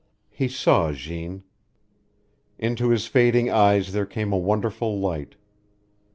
He saw Jeanne. Into his fading eyes there came a wonderful light.